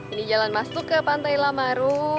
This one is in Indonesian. ini jalan masuk ke pantai lamaru